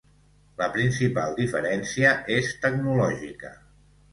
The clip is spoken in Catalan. La principal diferència és tecnològica.